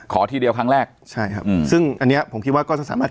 ทีเดียวครั้งแรกใช่ครับซึ่งอันนี้ผมคิดว่าก็จะสามารถ